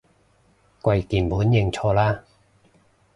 跪鍵盤認錯啦